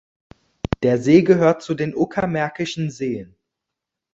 Der See gehört zu den Uckermärkischen Seen.